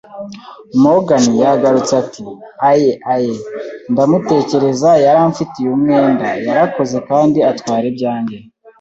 Morgan yagarutse ati: “Aye, aye!” “Ndamutekereza; yari amfitiye umwenda, yarakoze, kandi atwara ibyanjye